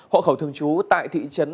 hội khẩu thường trú tại thị trấn